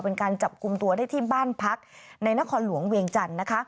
เป็นการจับกลุ่มตัวได้ที่บ้านพักในนครหลวงเวียงจันทร์นะคะ